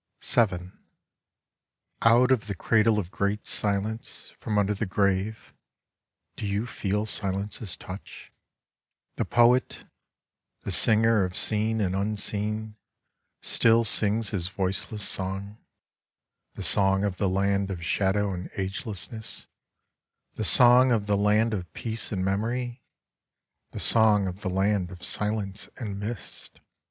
vn Out of the cradle of great Silence, from under the grave (do you feel Silence's touch ?) the poet, the singer of Seen and Unseen, still sings his voiceless song — the song of the land of shadow and agelessness, the song of the land of peace and memory, the song of the land of Silence and mist